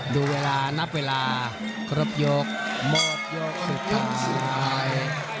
ดูเวลานับเวลาครบยกมอบยกสุดท้าย